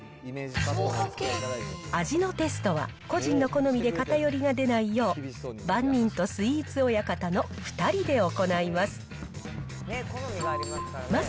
味のテストは個人の好みで偏りが出ないよう、番人とスイーツ親方の２人で行います。